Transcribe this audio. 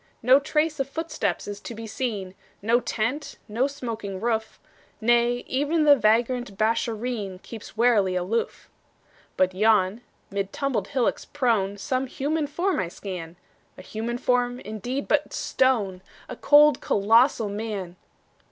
No trace of footsteps to be seen, No tent, no smoking roof; Nay, even the vagrant Beeshareen Keeps warily aloof. But yon, mid tumbled hillocks prone, Some human form I scan A human form, indeed, but stone: A cold, colossal Man!